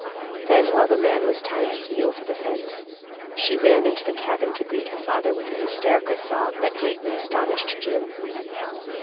Then, while the man was tying his mule to the fence, she ran into the cabin to greet her father with a hysterical sob that greatly astonished Jim.